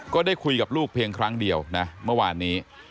ก็ได้คุยกับลูกเพียงครั้งเดียวนะเมื่อวานนี้